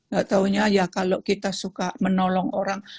gak taunya ya kalau kita suka menolong orang